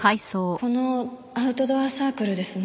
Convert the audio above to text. このアウトドアサークルですね。